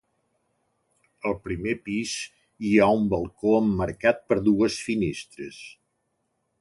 Al primer pis hi ha un balcó emmarcat per dues finestres.